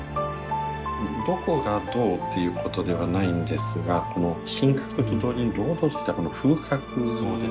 どこがどうっていうことではないんですがこの品格と同時に堂々としたこの風格ですよねはい。